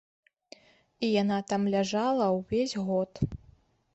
І яна там ляжала ўвесь год.